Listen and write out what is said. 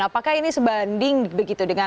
apakah ini sebanding begitu dengan